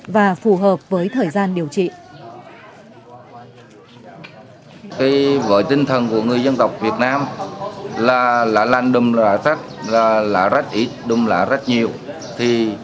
và phù hợp với thời gian điều trị